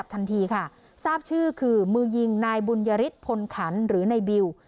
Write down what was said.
ภาพชื่อคือมือยิงนายบุญยฤทธิ์พลขันหรือในบิว